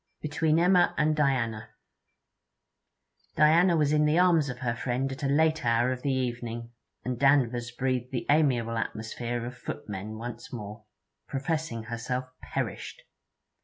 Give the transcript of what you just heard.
BETWEEN EMMA AND DIANA Diana was in the arms of her friend at a late hour of the evening, and Danvers breathed the amiable atmosphere of footmen once more, professing herself perished.